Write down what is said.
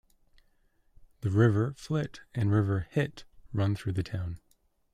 The River Flit and the River Hit run through the town.